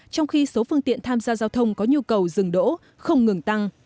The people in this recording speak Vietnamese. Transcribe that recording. trong khi số phương tiện tham gia giao thông có nhu cầu dừng đỗ không ngừng tăng